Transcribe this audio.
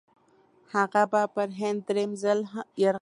هغه به پر هند درېم ځل یرغل هم وکړي.